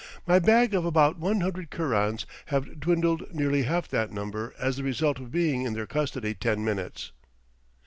My bag of about one hundred kerans have dwindled nearly half that number as the result of being in their custody ten minutes.